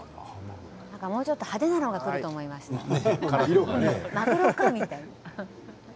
もうちょっと派手なのがくると思った、マグロかって。